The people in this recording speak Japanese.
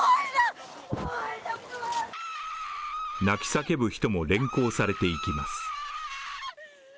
泣き叫ぶ人も連行されていきます。